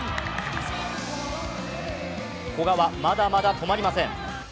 古賀はまだまだ止まりません。